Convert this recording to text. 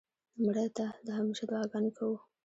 مړه ته د همېشه دعا ګانې کوو